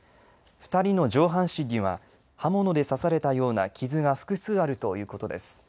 ２人の上半身には刃物で刺されたような傷が複数あるということです。